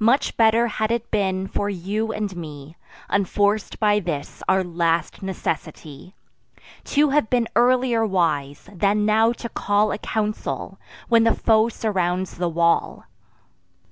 Much better had it been for you and me, Unforc'd by this our last necessity, To have been earlier wise, than now to call A council, when the foe surrounds the wall.